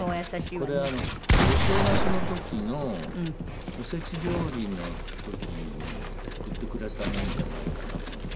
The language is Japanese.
これあのお正月の時のお節料理の時に送ってくれたものじゃないかなと思う。